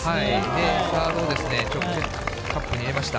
サードを直接カップに入れました。